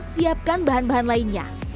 siapkan bahan bahan lainnya